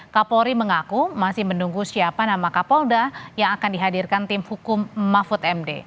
kapolri mengaku masih menunggu siapa nama kapolda yang akan dihadirkan tim hukum mahfud md